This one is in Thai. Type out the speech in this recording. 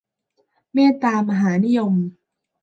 เมตตามหานิยม